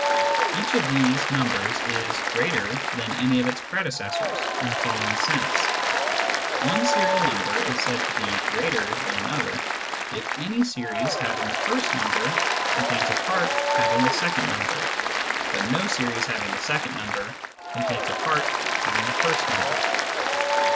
Each of these numbers is " greater" than any of its predecessors, in the following sense :— One serial number is said to be " greater " than another if any series having the first number contains a part having the second number, but no series having the second number contains a part having the first number.